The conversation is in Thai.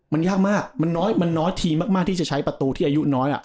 มันยากมากมันน้อยมันน้อยทีมากที่จะใช้ประตูที่อายุน้อย